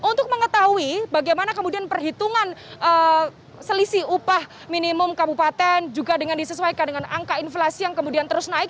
untuk mengetahui bagaimana kemudian perhitungan selisih upah minimum kabupaten juga dengan disesuaikan dengan angka inflasi yang kemudian terus naik